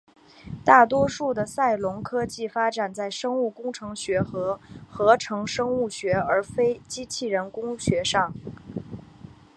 大多数的赛隆科技发展在生物工程学和合成生物学而非机器人工学上。